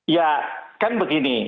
ya kan begini